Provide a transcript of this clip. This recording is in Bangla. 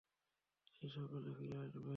সে সকালে ফিরে আসবে।